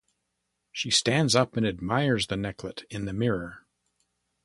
She stands up and admires the necklet in the mirror.